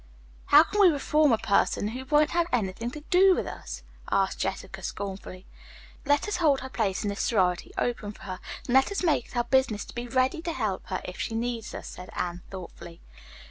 "How can we reform a person who won't have anything to do with us?" asked Jessica scornfully. "Let us hold her place in this sorority open for her, and let us make it our business to be ready to help her if she needs us," said Anne thoughtfully.